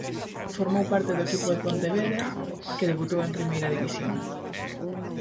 Formou parte do equipo do Pontevedra que debutou en Primeira División.